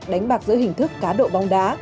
đánh bạc giữa hình thức cá độ bóng đá